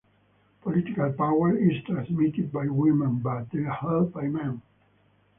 Political power is transmitted by women but held by men.